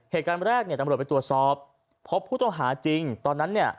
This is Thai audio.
เหตุการณ์แรกเนี่ยตำรวจไปตรวจสอบพบผู้ต้องหาจริงตอนนั้นเนี่ย